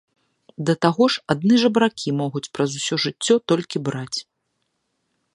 Да таго ж адны жабракі могуць праз усё жыццё толькі браць.